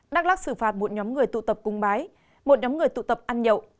đắk lắc xử phạt một nhóm người tụ tập cung bái một nhóm người tụ tập ăn nhậu